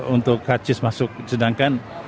untuk kacis masuk sedangkan